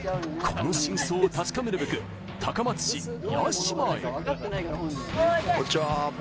この真相を確かめるべく、高松市屋島へ。